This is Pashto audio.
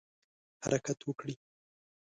حرکت وکړي.